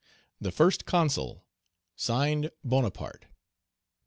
"The First Consul, (Signed) "BONAPARTE."